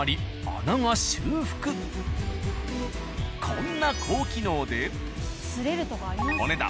こんな高機能でお値段。